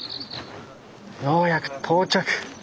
ようやく到着。